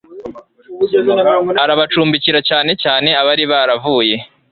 arabacumbikira cyane cyane abari baravuye